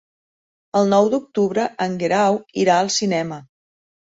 El nou d'octubre en Guerau irà al cinema.